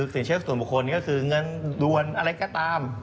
สินเชื่อส่วนบุคคลก็คือเงินด่วนอะไรก็ตาม